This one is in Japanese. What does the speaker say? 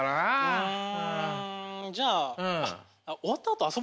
うんじゃあ終わったあと遊ぶ約束しよう。